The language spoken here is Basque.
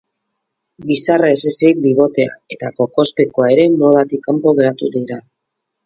Bizarra ez ezik, bibotea eta kokospekoa ere modatik kanpo geratu dira.